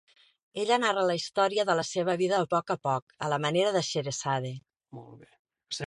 Ella narra la història de la seva vida a poc a poc, a la manera de Scheherazade.